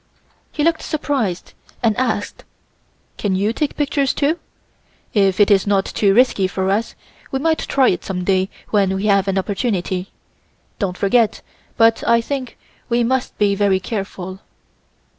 He looked surprised and asked: "Can you take pictures, too? If it is not too risky for us, we might try it some day when we have an opportunity. Don't forget, but I think we must be very careful."